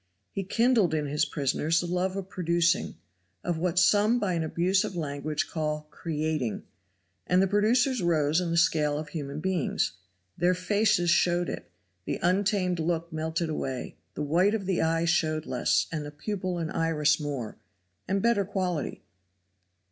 He kindled in his prisoners the love of producing, of what some by an abuse of language call "creating." And the producers rose in the scale of human beings. Their faces showed it the untamed look melted away the white of the eye showed less, and the pupil and iris more, and better quality.